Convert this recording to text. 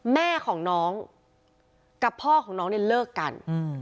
แม่ของน้องกับพ่อของน้องเนี่ยเลิกกัน